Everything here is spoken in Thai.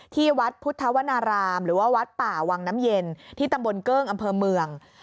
ที่วัดพุทธวนารามหรือว่าวัดป่าวังน้ำเย็นที่ตำบลเกิ้งอำเภอเมือง